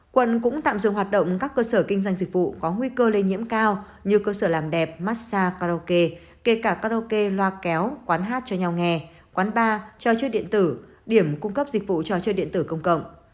quận cũng tạm dừng hoạt động các cơ sở kinh doanh dịch vụ có nguy cơ lây nhiễm cao như cơ sở làm đẹp massage karaoke kể cả karaoke loa kéo quán hát cho nhau nghe quán bar trò chơi điện tử điểm cung cấp dịch vụ trò chơi điện tử công cộng